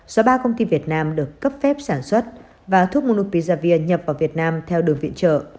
do ba công ty việt nam được cấp phép sản xuất và thuốc molum pizavier nhập vào việt nam theo đường viện trợ